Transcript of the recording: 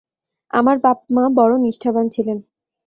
আমার বাপ-মা বড়ো নিষ্ঠাবান ছিলেন।